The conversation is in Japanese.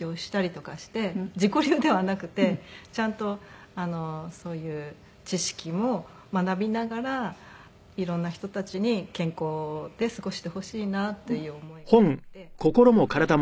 自己流ではなくてちゃんとそういう知識も学びながら色んな人たちに健康で過ごしてほしいなっていう思いがあって。